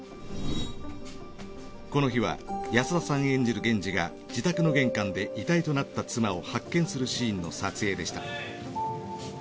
この日は安田さん演じる源次が自宅の玄関で遺体となった妻を発見するシーンの撮影でした。